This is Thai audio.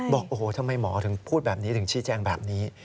บอกโอ้โหทำไมหมอถึงพูดแบบนี้ถึงชี้แจงแบบนี้